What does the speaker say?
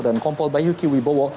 dan kompol bayu kiwi wibowo